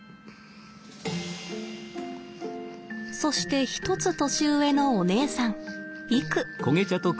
そして１つ年上のお姉さんいく。